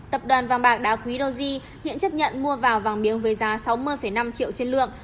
tập đoàn vàng bạc đá quý doji hiện chấp nhận mua vào vàng miếng với giá sáu mươi năm triệu trên lượng